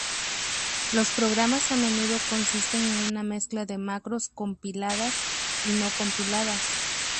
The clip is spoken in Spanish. Los programas a menudo consisten en una mezcla de macros compiladas y no compiladas.